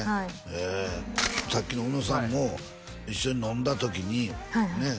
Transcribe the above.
へえさっきの宇野さんも一緒に飲んだ時にねっ？